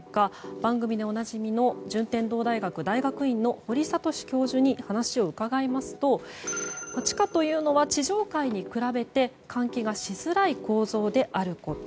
番組でおなじみの順天堂大学大学院の堀賢教授に話を伺いますと地下というのは地上階と比べて換気がしづらい構造であること。